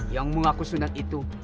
yang mengaku sunan itu